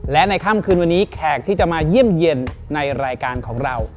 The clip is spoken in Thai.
และในค่ำคืนวันนี้แขกที่จะมาเยี่ยมเยี่ยมในรายการของเรา